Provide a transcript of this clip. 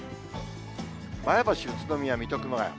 前橋、宇都宮、水戸、熊谷。